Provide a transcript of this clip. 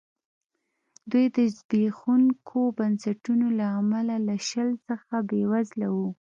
دوی د زبېښونکو بنسټونو له امله له شل څخه بېوزله وو.